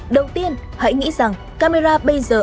đầu tiên hãy nghĩ rằng camera bây giờ